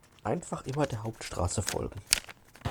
Einfach immer der Hauptstraße folgen.